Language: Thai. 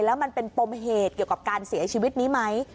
แล้วมันเป็นปมเหตุเกี่ยวกับการเสียชีวิตนี้ไหม